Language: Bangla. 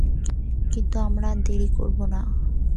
কিন্তু আমরা আর দেরি করবো না!